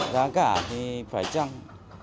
đáng cả thì phải chăng